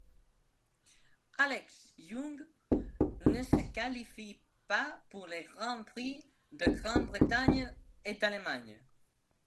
Alex Yoong ne se qualifie pas pour les Grands Prix de Grande-Bretagne et d'Allemagne.